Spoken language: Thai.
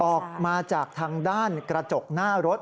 ออกมาจากทางด้านกระจกหน้ารถ